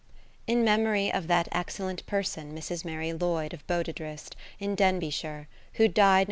In, Memory of that excellent Person Mrs. Mary Lloyd of Bodidrist in Denbigh shire, who died Nov.